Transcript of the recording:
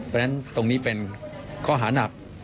เพราะฉะนั้นตรงนี้เป็นข้อหานัก